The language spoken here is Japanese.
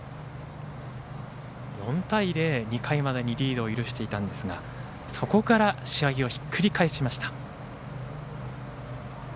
４対０、２回までにリードを許していましたがそこから試合をひっくり返しました。